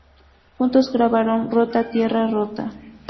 Juntos grabaron "Rota tierra rota".